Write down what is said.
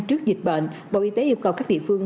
trước dịch bệnh bộ y tế yêu cầu các địa phương